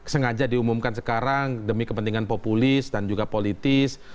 sengaja diumumkan sekarang demi kepentingan populis dan juga politis